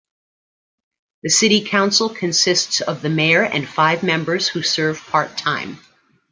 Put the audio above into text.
The city council consists of the mayor and five members who serve part-time.